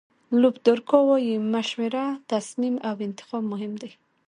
لوپ دورکا وایي مشوره، تصمیم او انتخاب مهم دي.